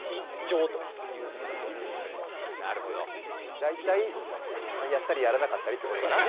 大体やったり、やらなかったりってことかな。